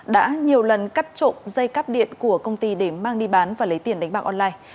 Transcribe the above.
đã nhiều lần cắt trộm dây cắp điện của công ty để mang đi bán và lấy tiền đánh bạc online